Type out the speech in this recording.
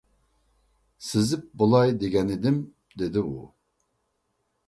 سىزىپ بولاي دېگەنىدىم، دېدى ئۇ.